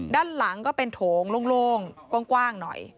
ด้านหลังก็เป็นโถงโล่งกว้างหน่อย